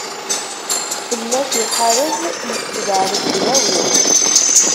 Fell-as iḥareb, yessebɛed leblawi.